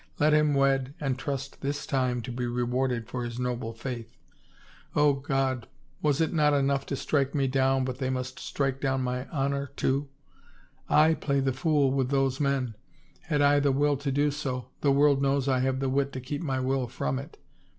Let him wed and trust this time to be rewarded for his noble faith. ... Oh, God, was it not enough to strike me down but they must strike down my honor, too? / play the fool with those men ! Had I the will to do so, the world knows I have the wit to keep my will from it!